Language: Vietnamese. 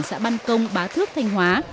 xã ban công ba thước thanh hóa